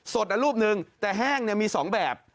รูปหนึ่งแต่แห้งมี๒แบบ